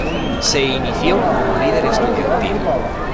Se inició como líder estudiantil.